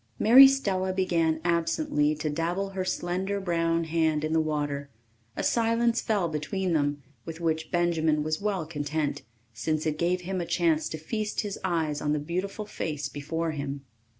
Mary Stella began absently to dabble her slender brown hand in the water. A silence fell between them, with which Benjamin was well content, since it gave him a chance to feast his eyes on the beautiful face before him.